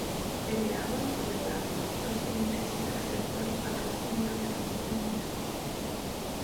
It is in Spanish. Peleaban sobre el agua, los límites y el acceso al patrocinio de la compañía.